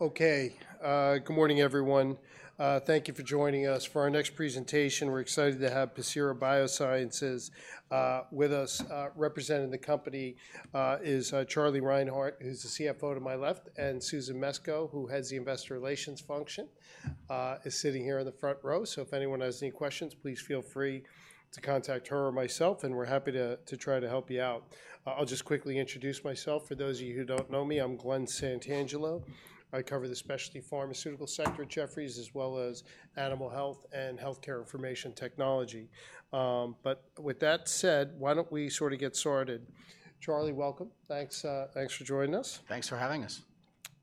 Okay, good morning, everyone. Thank you for joining us. For our next presentation, we're excited to have Pacira BioSciences with us. Representing the company is Charlie Reinhart, who's the CFO to my left, and Susan Mesco, who heads the investor relations function, is sitting here in the front row. So if anyone has any questions, please feel free to contact her or myself, and we're happy to try to help you out. I'll just quickly introduce myself. For those of you who don't know me, I'm Glen Santangelo. I cover the specialty pharmaceutical sector at Jefferies, as well as animal health and healthcare information technology. But with that said, why don't we sort of get started? Charlie, welcome. Thanks, thanks for joining us. Thanks for having us.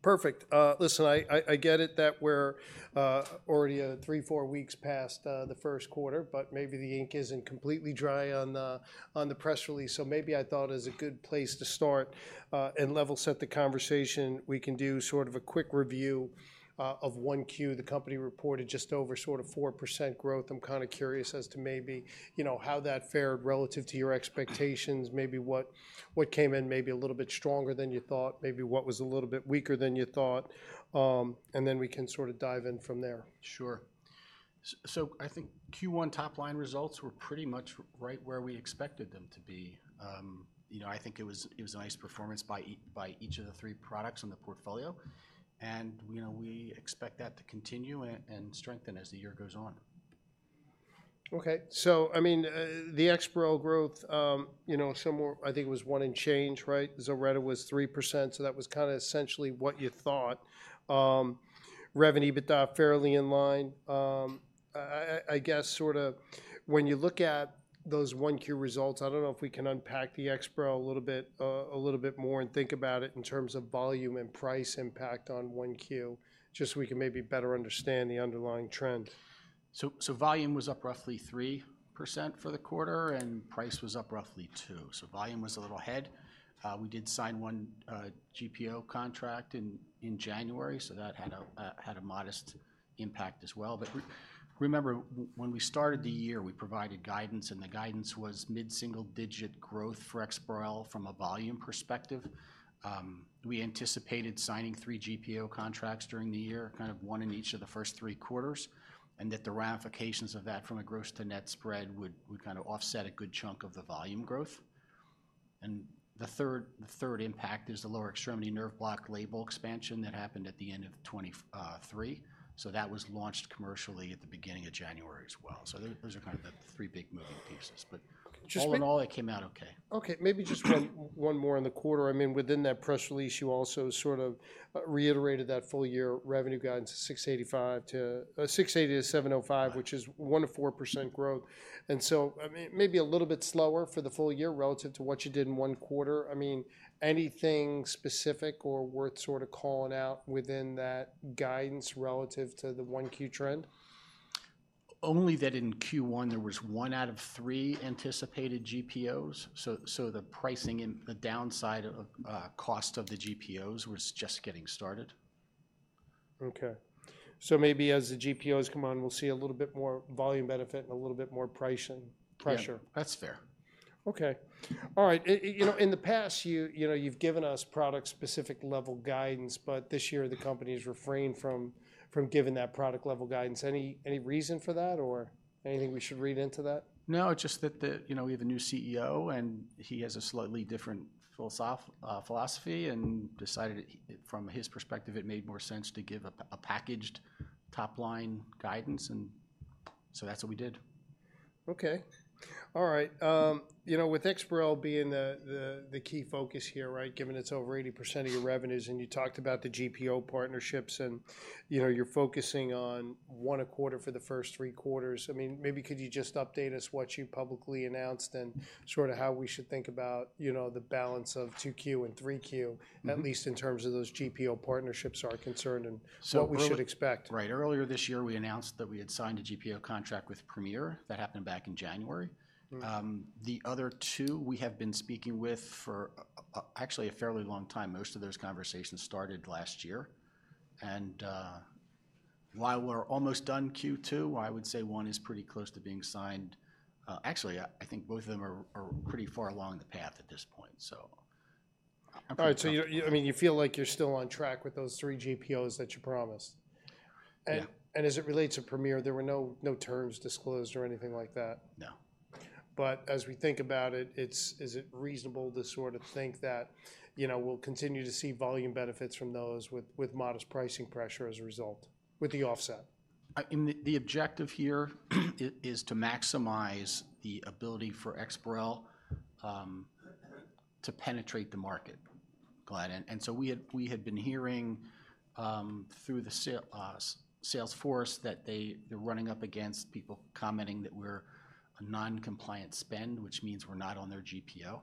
Perfect. Listen, I get it that we're already three to four weeks past the first quarter, but maybe the ink isn't completely dry on the press release, so maybe I thought it was a good place to start and level set the conversation. We can do sort of a quick review of 1Q. The company reported just over sort of 4% growth. I'm kind of curious as to maybe, you know, how that fared relative to your expectations, maybe what came in maybe a little bit stronger than you thought, maybe what was a little bit weaker than you thought? And then we can sort of dive in from there. Sure. So I think Q1 top-line results were pretty much right where we expected them to be. You know, I think it was, it was a nice performance by each of the three products in the portfolio, and, you know, we expect that to continue and strengthen as the year goes on. Okay. So, I mean, the EXPAREL growth, you know, some more... I think it was one and change, right? ZILRETTA was 3%, so that was kind of essentially what you thought. iovera°, but fairly in line. I guess sort of when you look at those 1Q results, I don't know if we can unpack the EXPAREL a little bit, a little bit more and think about it in terms of volume and price impact on 1Q, just so we can maybe better understand the underlying trend. So, volume was up roughly 3% for the quarter, and price was up roughly 2%. So volume was a little ahead. We did sign one GPO contract in January, so that had a modest impact as well. But remember, when we started the year, we provided guidance, and the guidance was mid-single-digit growth for EXPAREL from a volume perspective. We anticipated signing 3 GPO contracts during the year, kind of one in each of the first 3 quarters, and that the ramifications of that from a gross to net spread would kind of offset a good chunk of the volume growth. And the third impact is the lower extremity nerve block label expansion that happened at the end of 2023. So that was launched commercially at the beginning of January as well. So those are kind of the three big moving pieces, but- Just quick- All in all, it came out okay. Okay, maybe just one, one more on the quarter. I mean, within that press release, you also sort of reiterated that full year revenue guidance of $685 million-$705 million, which is 1%-4% growth. I mean, maybe a little bit slower for the full year relative to what you did in one quarter. I mean, anything specific or worth sort of calling out within that guidance relative to the one Q trend? Only that in Q1, there was one out of three anticipated GPOs, so the pricing and the downside of cost of the GPOs was just getting started. Okay. Maybe as the GPOs come on, we'll see a little bit more volume benefit and a little bit more price and pressure. Yeah, that's fair. Okay. All right, you know, in the past, you know, you've given us product-specific level guidance, but this year the company has refrained from giving that product level guidance. Any reason for that, or anything we should read into that? No, just that the, you know, we have a new CEO, and he has a slightly different philosophy, and decided, from his perspective, it made more sense to give a packaged top-line guidance, and so that's what we did. Okay. All right, you know, with EXPAREL being the key focus here, right? Given it's over 80% of your revenues, and you talked about the GPO partnerships, and, you know, you're focusing on one a quarter for the first three quarters. I mean, maybe could you just update us what you publicly announced and sort of how we should think about, you know, the balance of 2Q and 3Q- Mm-hmm... at least in terms of those GPO partnerships are concerned and what we should expect. Earlier this year, we announced that we had signed a GPO contract with Premier. That happened back in January. Mm. The other two we have been speaking with for, actually a fairly long time. Most of those conversations started last year. While we're almost done Q2, I would say one is pretty close to being signed. Actually, I think both of them are pretty far along the path at this point, so I'm pretty- All right, so I mean, you feel like you're still on track with those three GPOs that you promised? Yeah. As it relates to Premier, there were no terms disclosed or anything like that? No. But as we think about it, is it reasonable to sort of think that, you know, we'll continue to see volume benefits from those with modest pricing pressure as a result, with the offset? The objective here is to maximize the ability for EXPAREL to penetrate the market, Glen, and so we had been hearing through the sales force that they're running up against people commenting that we're a non-compliant spend, which means we're not on their GPO,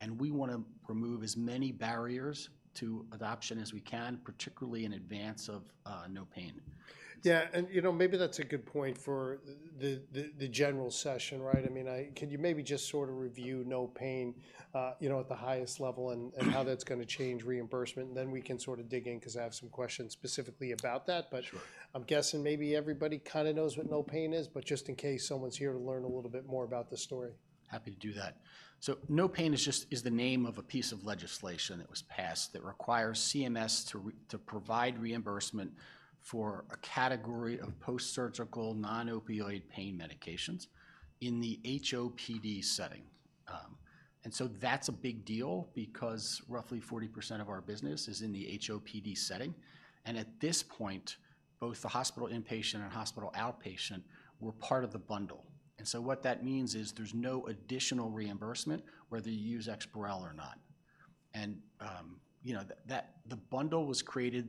and we wanna remove as many barriers to adoption as we can, particularly in advance of NOPAIN. Yeah, and, you know, maybe that's a good point for the, the, the general session, right? I mean, Can you maybe just sort of review NOPAIN, you know, at the highest level and, and how that's gonna change reimbursement? And then we can sort of dig in, because I have some questions specifically about that, but- Sure... I'm guessing maybe everybody kind of knows what NOPAIN is, but just in case someone's here to learn a little bit more about the story. Happy to do that. So NOPAIN is the name of a piece of legislation that was passed that requires CMS to provide reimbursement for a category of post-surgical, non-opioid pain medications in the HOPD setting. And so that's a big deal because roughly 40% of our business is in the HOPD setting, and at this point, both the hospital inpatient and hospital outpatient were part of the bundle. And, you know, that, the bundle was created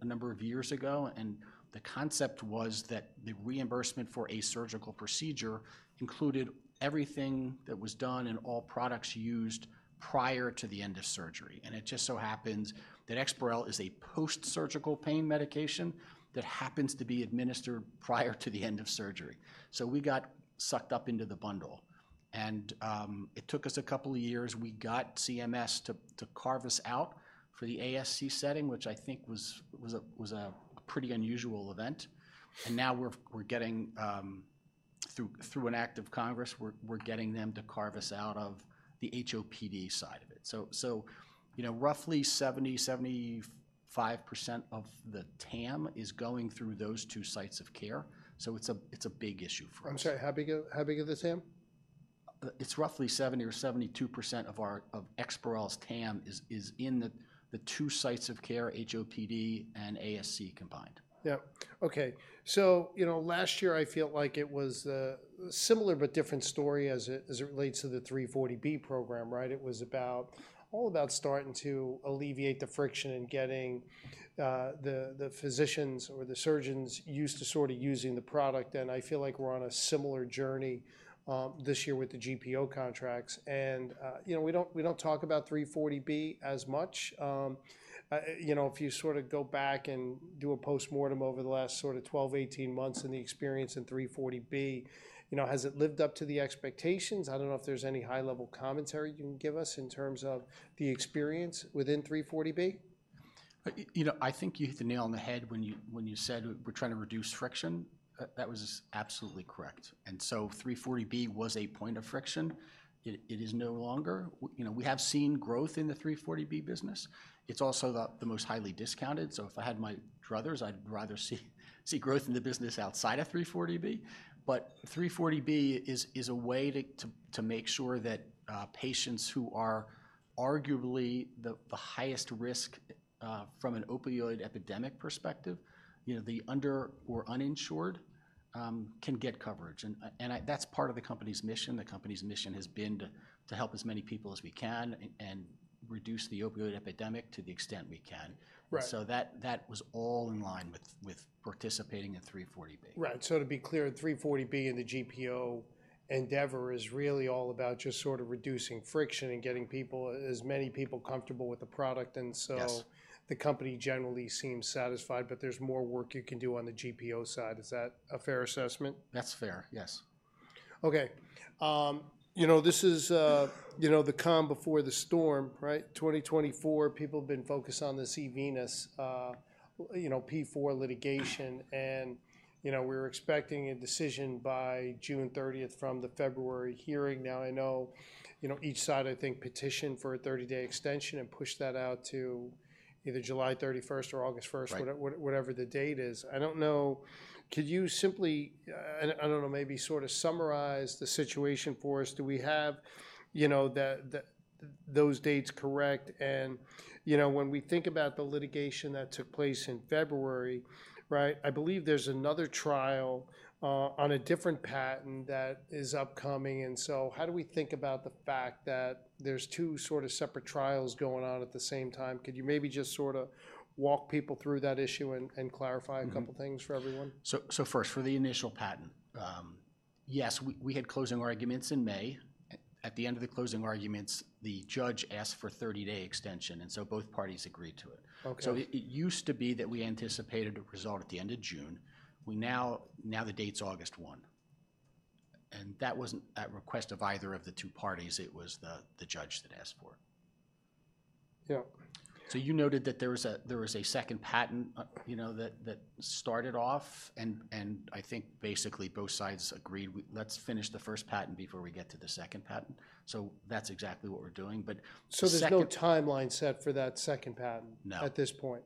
a number of years ago, and the concept was that the reimbursement for a surgical procedure included everything that was done and all products used prior to the end of surgery. It just so happens that EXPAREL is a post-surgical pain medication that happens to be administered prior to the end of surgery. We got sucked up into the bundle, and it took us a couple of years. We got CMS to carve us out for the ASC setting, which I think was a pretty unusual event. And now we're getting through an act of Congress, we're getting them to carve us out of the HOPD side of it. You know, roughly 70%-75% of the TAM is going through those two sites of care, so it's a big issue for us. I'm sorry, how big, how big is the TAM? It's roughly 70%-72% of our EXPAREL's TAM is in the two sites of care, HOPD and ASC combined. Yep, okay. So, you know, last year I feel like it was similar but different story as it relates to the 340B program, right? It was all about starting to alleviate the friction in getting the physicians or the surgeons used to sort of using the product, and I feel like we're on a similar journey this year with the GPO contracts. You know, we don't talk about 340B as much. You know, if you sort of go back and do a postmortem over the last sort of 12, 18 months in the experience in 340B, you know, has it lived up to the expectations? I don't know if there's any high-level commentary you can give us in terms of the experience within 340B. You know, I think you hit the nail on the head when you said we're trying to reduce friction. That was absolutely correct, and so 340B was a point of friction. It is no longer. You know, we have seen growth in the 340B business. It's also the most highly discounted, so if I had my druthers, I'd rather see growth in the business outside of 340B. But 340B is a way to make sure that patients who are arguably the highest risk from an opioid epidemic perspective, you know, the under or uninsured, can get coverage. That's part of the company's mission. The company's mission has been to help as many people as we can and reduce the opioid epidemic to the extent we can. Right. So that was all in line with participating in 340B. Right. So to be clear, 340B and the GPO endeavor is really all about just sort of reducing friction and getting people... as many people comfortable with the product, and so- Yes ... the company generally seems satisfied, but there's more work you can do on the GPO side. Is that a fair assessment? That's fair, yes. Okay, you know, this is, you know, the calm before the storm, right? 2024, people have been focused on this eVenus, you know, PIV litigation, and, you know, we're expecting a decision by June thirtieth from the February hearing. Now, I know, you know, each side, I think, petitioned for a 30-day extension and pushed that out to either July 31st or August 1st- Right... whatever the date is. I don't know, could you simply, and I don't know, maybe sort of summarize the situation for us? Do we have, you know, the those dates correct? And, you know, when we think about the litigation that took place in February, right, I believe there's another trial on a different patent that is upcoming, and so how do we think about the fact that there's two sort of separate trials going on at the same time? Could you maybe just sort of walk people through that issue and clarify- Mm-hmm... a couple things for everyone? So first, for the initial patent, yes, we had closing arguments in May. At the end of the closing arguments, the judge asked for a 30-day extension, and so both parties agreed to it. Okay. So it used to be that we anticipated a result at the end of June. We now, now the date's August one, and that wasn't at request of either of the two parties, it was the judge that asked for it. Yep. So you noted that there was a second patent, you know, that started off, and I think basically both sides agreed, "Let's finish the first patent before we get to the second patent." So that's exactly what we're doing, but the second- There's no timeline set for that second patent. No... at this point?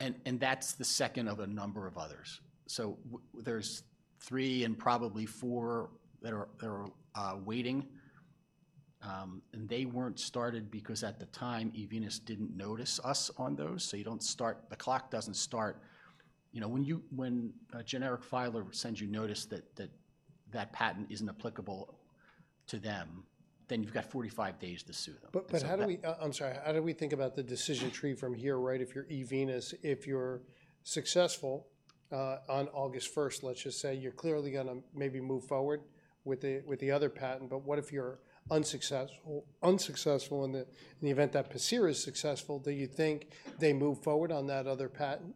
No. And that's the second of a number of others. So there's three and probably four that are waiting, and they weren't started because at the time, eVenus didn't notice us on those. So you don't start the clock doesn't start. You know, when a generic filer sends you notice that that patent isn't applicable to them, then you've got 45 days to sue them. But how do we think about the decision tree from here, right, if you're eVenus? If you're successful on August first, let's just say, you're clearly gonna maybe move forward with the other patent, but what if you're unsuccessful, and in the event that Pacira is successful, do you think they move forward on that other patent?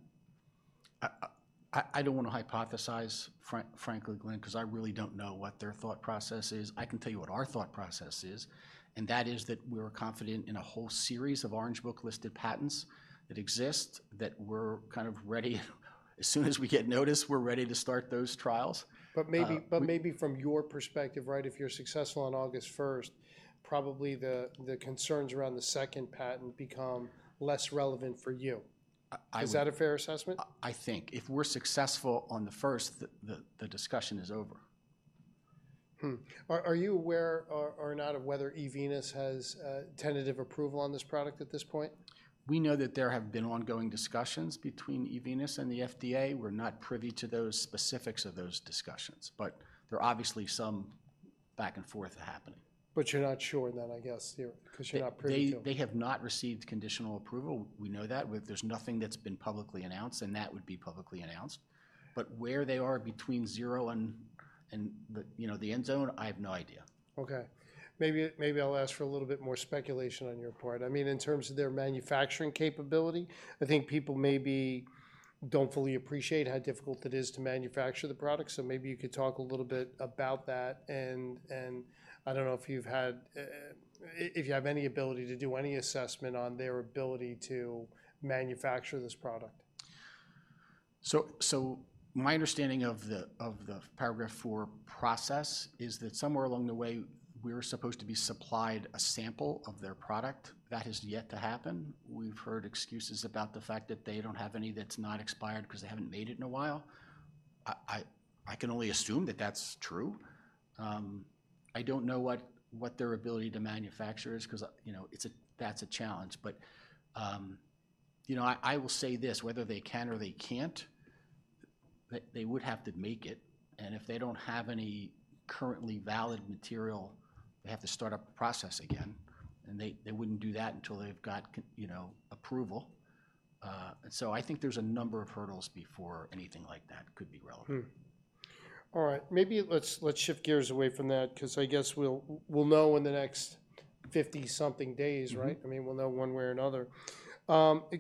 I don't want to hypothesize, frankly, Glen, because I really don't know what their thought process is. I can tell you what our thought process is, and that is that we're confident in a whole series of Orange Book listed patents that exist, that we're kind of ready, as soon as we get notice, we're ready to start those trials. But maybe, but maybe from your perspective, right, if you're successful on August first, probably the, the concerns around the second patent become less relevant for you.... Is that a fair assessment? I think if we're successful on the first, the discussion is over. Hmm. Are you aware or not of whether eVenus has tentative approval on this product at this point? We know that there have been ongoing discussions between eVenus and the FDA. We're not privy to those specifics of those discussions, but there are obviously some back and forth happening. You're not sure then, I guess, you're- 'cause you're not privy to them. They have not received conditional approval, we know that. There's nothing that's been publicly announced, and that would be publicly announced. But where they are between 0 and, you know, the end zone, I have no idea. Okay. Maybe, maybe I'll ask for a little bit more speculation on your part. I mean, in terms of their manufacturing capability, I think people maybe don't fully appreciate how difficult it is to manufacture the product, so maybe you could talk a little bit about that. And I don't know if you've had. If you have any ability to do any assessment on their ability to manufacture this product. So my understanding of the Paragraph IV process is that somewhere along the way, we were supposed to be supplied a sample of their product. That has yet to happen. We've heard excuses about the fact that they don't have any that's not expired, because they haven't made it in a while. I can only assume that that's true. I don't know what their ability to manufacture is, 'cause, you know, it's a challenge. But, you know, I will say this, whether they can or they can't, they would have to make it, and if they don't have any currently valid material, they have to start up the process again, and they wouldn't do that until they've got, you know, approval. And so I think there's a number of hurdles before anything like that could be relevant. Hmm. All right, maybe let's, let's shift gears away from that, 'cause I guess we'll, we'll know in the next 50-something days, right? Mm-hmm. I mean, we'll know one way or another.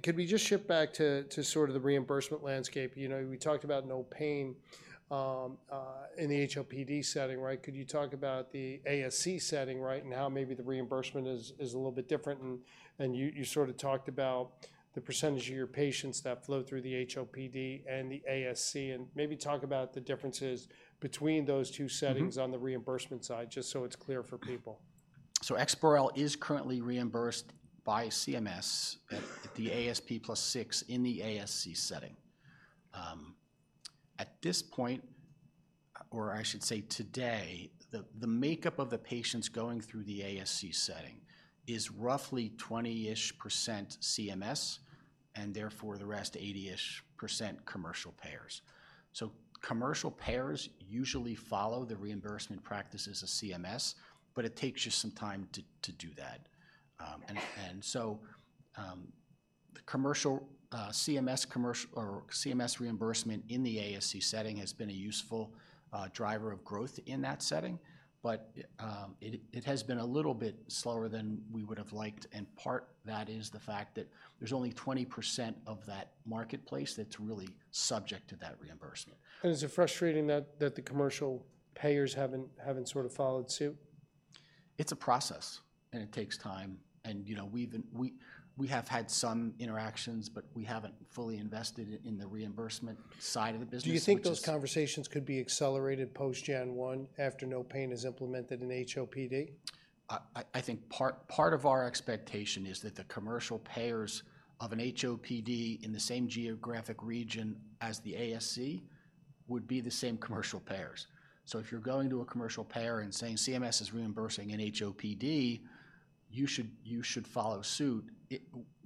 Could we just shift back to sort of the reimbursement landscape? You know, we talked about NOPAIN in the HOPD setting, right? Could you talk about the ASC setting, right, and how maybe the reimbursement is a little bit different, and you sort of talked about the percentage of your patients that flow through the HOPD and the ASC, and maybe talk about the differences between those two settings- Mm-hmm... on the reimbursement side, just so it's clear for people. So EXPAREL is currently reimbursed by CMS at the ASP plus six in the ASC setting. At this point, or I should say today, the makeup of the patients going through the ASC setting is roughly 20%-ish CMS, and therefore, the rest 80%-ish commercial payers. So commercial payers usually follow the reimbursement practices of CMS, but it takes you some time to do that. And so, the commercial or CMS reimbursement in the ASC setting has been a useful driver of growth in that setting. But it has been a little bit slower than we would've liked, and part of that is the fact that there's only 20% of that marketplace that's really subject to that reimbursement. And is it frustrating that the commercial payers haven't sort of followed suit? It's a process, and it takes time. And, you know, we have had some interactions, but we haven't fully invested in the reimbursement side of the business, which is- Do you think those conversations could be accelerated post Gen 1 after NOPAIN is implemented in HOPD? I think part of our expectation is that the commercial payers of an HOPD in the same geographic region as the ASC would be the same commercial payers. So if you're going to a commercial payer and saying, "CMS is reimbursing an HOPD, you should follow suit,"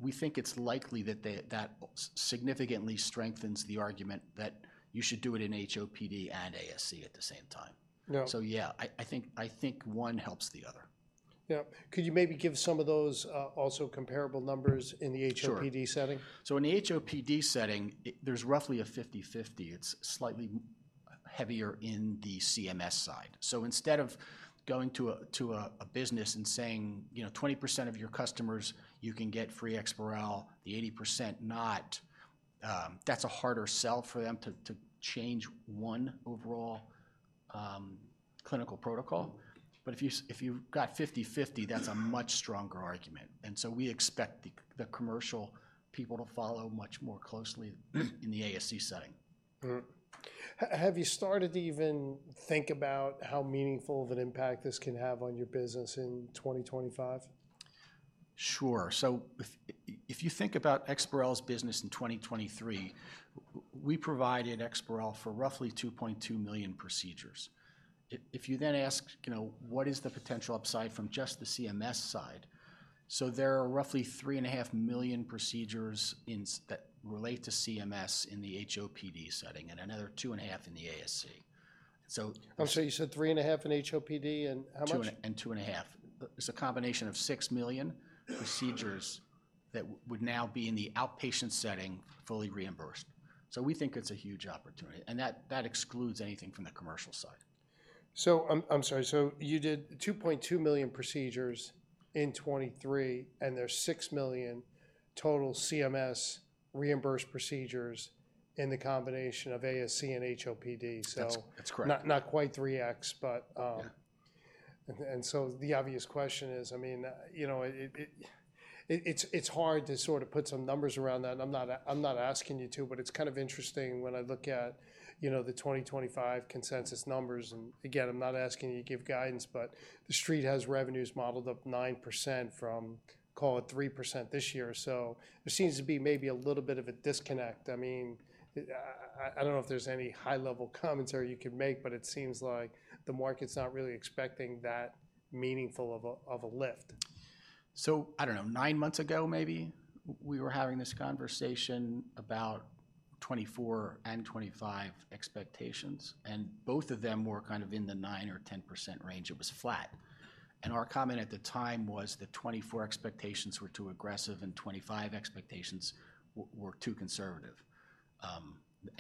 we think it's likely that they, that significantly strengthens the argument that you should do it in HOPD and ASC at the same time. Yeah. So yeah, I think one helps the other. Yeah. Could you maybe give some of those also comparable numbers in the HOPD- Sure... setting? So in the HOPD setting, there's roughly a 50/50. It's slightly heavier in the CMS side. So instead of going to a business and saying, "You know, 20% of your customers, you can get free EXPAREL, the 80% not," that's a harder sell for them to change one overall clinical protocol. But if you've got 50/50, that's a much stronger argument, and so we expect the commercial people to follow much more closely in the ASC setting. Have you started to even think about how meaningful of an impact this can have on your business in 2025? Sure. So if you think about EXPAREL's business in 2023, we provided EXPAREL for roughly 2.2 million procedures. If you then ask, you know, what is the potential upside from just the CMS side, so there are roughly 3.5 million procedures that relate to CMS in the HOPD setting, and another 2.5 in the ASC. So- I'm sorry, you said 3.5 in HOPD, and how much? 2 and 2.5. It's a combination of 6 million procedures that would now be in the outpatient setting, fully reimbursed. So we think it's a huge opportunity, and that excludes anything from the commercial side. I'm sorry, you did 2.2 million procedures in 2023, and there's 6 million total CMS reimbursed procedures in the combination of ASC and HOPD, so- That's, that's correct.... Not quite 3x, but, Yeah... And so the obvious question is, I mean, you know, it's hard to sort of put some numbers around that, and I'm not asking you to, but it's kind of interesting when I look at, you know, the 2025 consensus numbers. And again, I'm not asking you to give guidance, but the Street has revenues modeled up 9% from, call it, 3% this year. So there seems to be maybe a little bit of a disconnect. I mean, I don't know if there's any high-level commentary you could make, but it seems like the market's not really expecting that meaningful of a lift. I don't know, nine months ago maybe, we were having this conversation about 2024 and 2025 expectations, and both of them were kind of in the 9%-10% range. It was flat. Our comment at the time was that 2024 expectations were too aggressive and 2025 expectations were too conservative.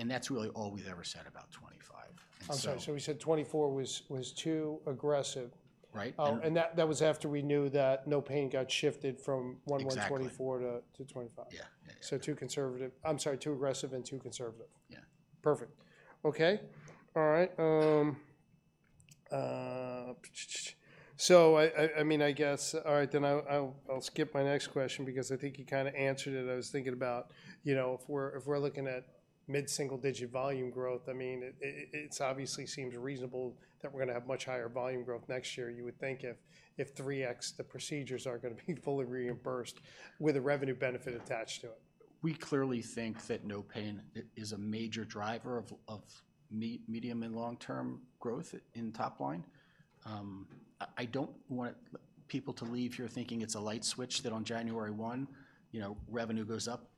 That's really all we've ever said about 2025, and so- I'm sorry. So we said 2024 was too aggressive. Right. And- That was after we knew that NOPAIN got shifted from- Exactly... one more 2024 to 2025? Yeah. Yeah, yeah. Too conservative... I'm sorry, too aggressive and too conservative. Yeah. Perfect. Okay. All right. So I mean, I guess... All right, then I'll skip my next question because I think you kind of answered it. I was thinking about, you know, if we're looking at mid-single-digit volume growth, I mean, it's obviously seems reasonable that we're gonna have much higher volume growth next year, you would think, if 3x the procedures are gonna be fully reimbursed with a revenue benefit attached to it. We clearly think that NOPAIN is a major driver of medium and long-term growth in top line. I don't want people to leave here thinking it's a light switch, that on January 1, you know, revenue goes up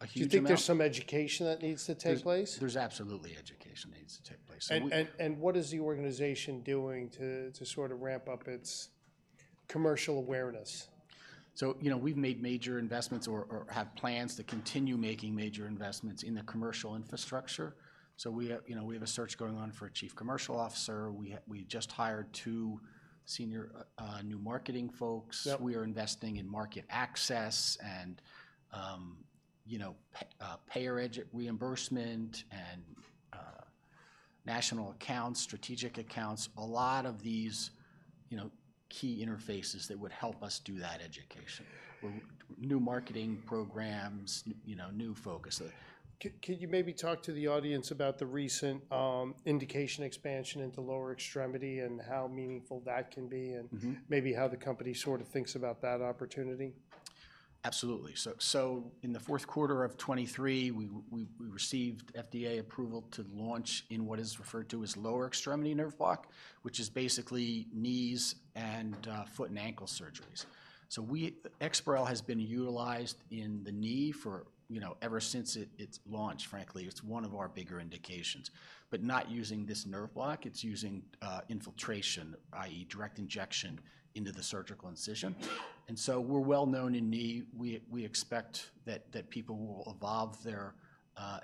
a huge amount. Do you think there's some education that needs to take place? There's absolutely education that needs to take place, and we- What is the organization doing to sort of ramp up its commercial awareness? So, you know, we've made major investments or have plans to continue making major investments in the commercial infrastructure. So we have, you know, we have a search going on for a chief commercial officer. We just hired two senior new marketing folks. Yep. We are investing in market access and, you know, payer education, reimbursement and, national accounts, strategic accounts, a lot of these, you know, key interfaces that would help us do that education, new marketing programs, you know, new focus. Could you maybe talk to the audience about the recent indication expansion into lower extremity and how meaningful that can be- Mm-hmm... and maybe how the company sort of thinks about that opportunity? Absolutely. So in the fourth quarter of 2023, we received FDA approval to launch in what is referred to as lower extremity nerve block, which is basically knees and foot and ankle surgeries. So EXPAREL has been utilized in the knee for, you know, ever since it's launched, frankly. It's one of our bigger indications, but not using this nerve block. It's using infiltration, i.e., direct injection into the surgical incision. And so we're well-known in knee. We expect that people will evolve their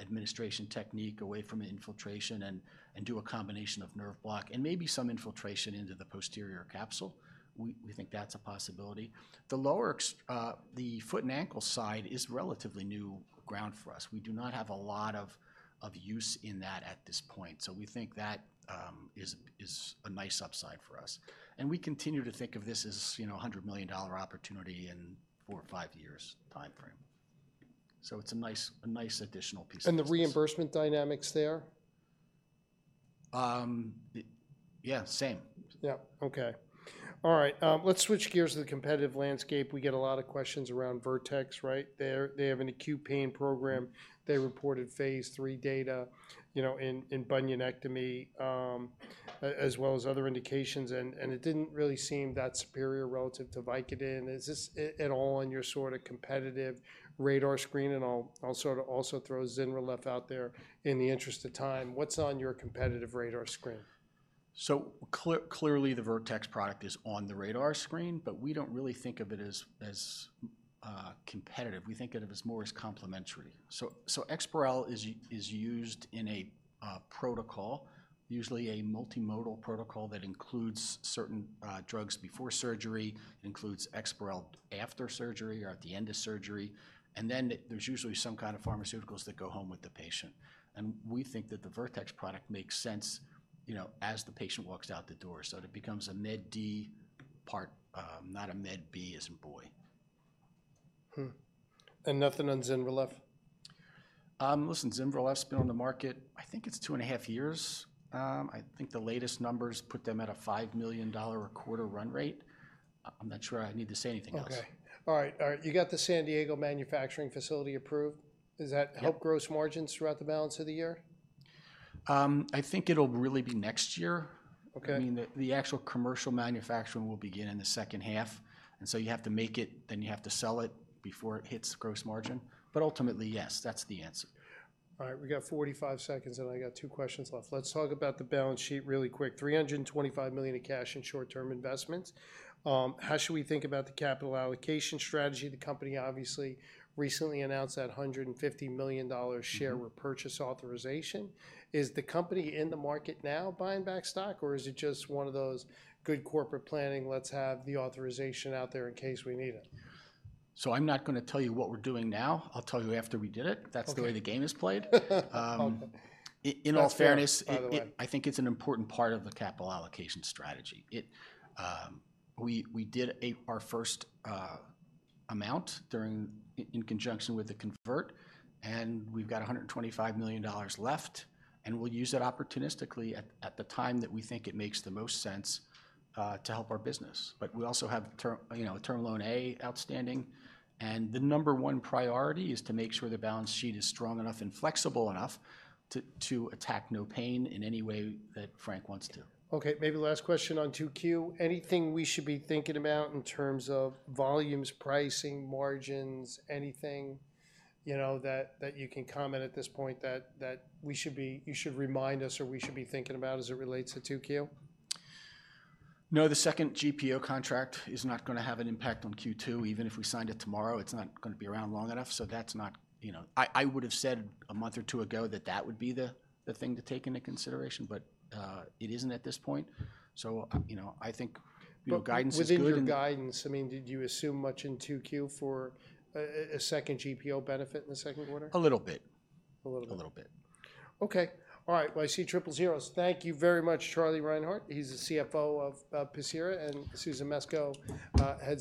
administration technique away from infiltration and do a combination of nerve block and maybe some infiltration into the posterior capsule. We think that's a possibility. The lower extremity, the foot and ankle side is relatively new ground for us. We do not have a lot of use in that at this point, so we think that is a nice upside for us. And we continue to think of this as, you know, a $100 million opportunity in four or five years timeframe. So it's a nice additional piece- The reimbursement dynamics there? Yeah, same. Yeah. Okay. All right, let's switch gears to the competitive landscape. We get a lot of questions around Vertex, right? They have an acute pain program. They reported phase III data, you know, in bunionectomy, as well as other indications, and it didn't really seem that superior relative to Vicodin. Is this at all on your sort of competitive radar screen? And I'll sort of also throw Zynrelef out there in the interest of time. What's on your competitive radar screen? So clearly, the Vertex product is on the radar screen, but we don't really think of it as competitive. We think it of as more as complementary. So EXPAREL is used in a protocol, usually a multimodal protocol that includes certain drugs before surgery, includes EXPAREL after surgery or at the end of surgery, and then there's usually some kind of pharmaceuticals that go home with the patient. And we think that the Vertex product makes sense, you know, as the patient walks out the door. So it becomes a Med D part, not a Med B as in boy. Hmm. And nothing on Zynrelef? Listen, Zynrelef's been on the market, I think it's 2.5 years. I think the latest numbers put them at a $5 million a quarter run rate. I'm not sure I need to say anything else. Okay. All right, all right. You got the San Diego manufacturing facility approved. Does that- Yep... help gross margins throughout the balance of the year? I think it'll really be next year. Okay. I mean, the actual commercial manufacturing will begin in the second half, and so you have to make it, then you have to sell it before it hits the gross margin. But ultimately, yes, that's the answer. All right, we got 45 seconds, and I got 2 questions left. Let's talk about the balance sheet really quick. $325 million of cash in short-term investments. How should we think about the capital allocation strategy? The company obviously recently announced that $150 million dollar- Mm-hmm... share repurchase authorization. Is the company in the market now buying back stock, or is it just one of those good corporate planning, let's have the authorization out there in case we need it? I'm not gonna tell you what we're doing now. I'll tell you after we did it. Okay. That's the way the game is played. Okay. In all fairness- By the way... it, I think it's an important part of the capital allocation strategy. It... We did our first amount during in conjunction with the convert, and we've got $125 million left, and we'll use that opportunistically at the time that we think it makes the most sense to help our business. But we also have the term, you know, Term Loan A outstanding, and the number one priority is to make sure the balance sheet is strong enough and flexible enough to attack NOPAIN in any way that Frank wants to. Okay, maybe last question on 2Q. Anything we should be thinking about in terms of volumes, pricing, margins, anything, you know, that you can comment at this point, that you should remind us or we should be thinking about as it relates to 2Q? No, the second GPO contract is not gonna have an impact on Q2. Even if we signed it tomorrow, it's not gonna be around long enough, so that's not, you know... I would've said a month or two ago that that would be the thing to take into consideration, but, it isn't at this point. So, you know, I think, you know, guidance is good, and- Within your guidance, I mean, did you assume much in 2Q for a second GPO benefit in the second quarter? A little bit. A little bit. A little bit. Okay. All right, well, I see triple zeros. Thank you very much, Charlie Reinhart. He's the CFO of Pacira, and Susan Mesco heads up-